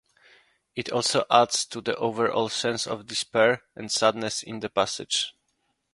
It also adds to the overall sense of despair and sadness in the passage.